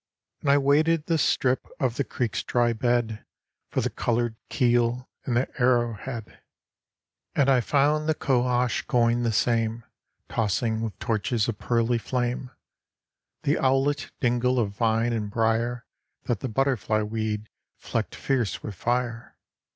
And I waded the strip of the creek's dry bed For the colored keel and the arrow head. And I found the cohosh coigne the same Tossing with torches of pearly flame. The owlet dingle of vine and brier, That the butterfly weed flecked fierce with fire.